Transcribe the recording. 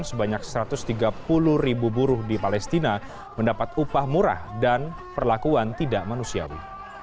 sebanyak satu ratus tiga puluh ribu buruh di palestina mendapat upah murah dan perlakuan tidak manusiawi